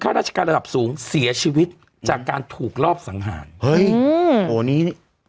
ราชการระดับสูงเสียชีวิตจากการถูกรอบสังหารเฮ้ยอืมโหนี้นี่